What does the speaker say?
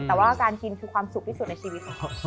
แต่ว่าการกินคือความสุขที่สุดในชีวิตของเขา